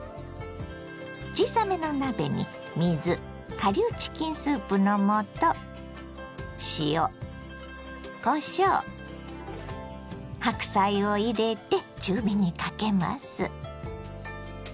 小さめの鍋に水顆粒チキンスープの素塩こしょう白菜を入れて中火にかけます。